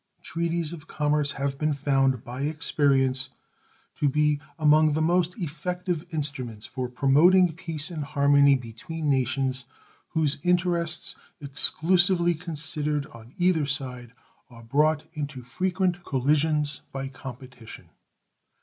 Treaties of commerce have been found by experience to be among the most effective instruments for promoting peace and harmony between nations whose interests, exclusively considered on either side, are brought into frequent collisions by competition.